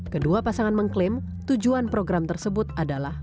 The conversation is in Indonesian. kedua pasangan mengklaim tujuan program tersebut adalah